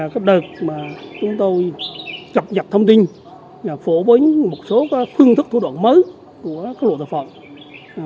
cập nhật thông tin phổ biến một số phương thức thủ đoạn mới của các loài tội phạm